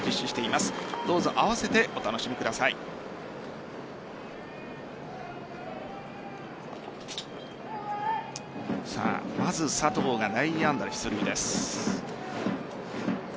まず佐藤が内野安打で出塁です。